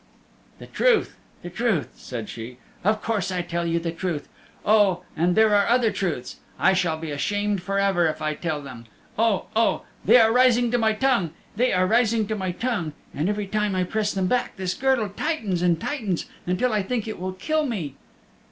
"The truth, the truth," said she, "of course I tell you the truth. Oh, and there are other truths. I shall be ashamed forever if I tell them. Oh, oh. They are rising to my tongue, and every time I press them back this girdle tightens and tightens until I think it will kill me."